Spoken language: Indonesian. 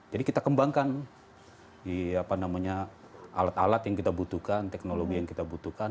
jadi kita kembangkan di apa namanya alat alat yang kita butuhkan teknologi yang kita butuhkan